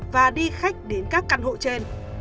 và đi khách đến các căn hộ trên